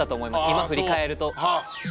今振り返ると。